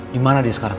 gimana dia sekarang